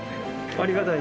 ありがたい。